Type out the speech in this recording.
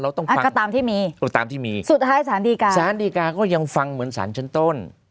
ตรงนี้ก็ตามที่มีตามที่มีสุดท้ายสารดีการสารดีกาก็ยังฟังเหมือนสารชั้นต้น